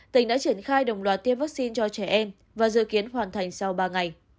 tỉnh đã triển khai đồng loạt tiêm vaccine cho trẻ em và dự kiến hoàn thành sau ba ngày